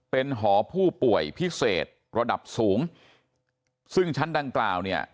เป็นหอผู้ป่วยพิเศษระดับสูงซึ่งชั้นดังกล่าวเนี่ย